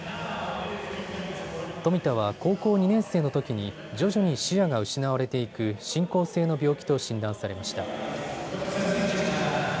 富田は高校２年生のときに徐々に視野が失われていく進行性の病気と診断されました。